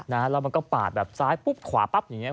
แล้วมันก็ปาดแบบซ้ายปุ๊บขวาปั๊บอย่างนี้